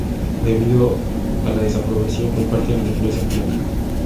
Debido a la desaprobación por parte de la nobleza polaca.